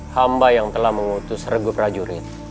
hamba yang telah mengutus regup rajurit